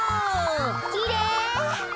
きれい！